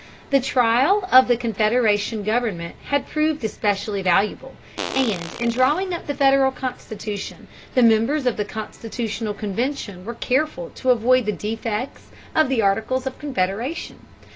The trial of the Confederation government had proved especially valuable, and in drawing up the Federal Constitution, the members of the Constitutional Convention were careful to avoid the defects of the Articles of Confederation.